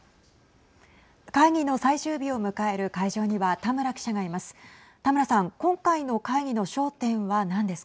会議の最終日を迎える会場には田村記者がいます。